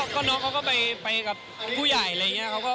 ก็น้องเขาก็ไปกับผู้ใหญ่อะไรอย่างนี้